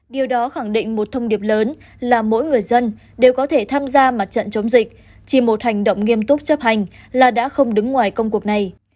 điều đó khẳng định một thông điệp lớn là mỗi người dân đều có thể tham gia mặt trận chống dịch chỉ một hành động nghiêm túc chấp hành là đã không đứng ngoài công cuộc này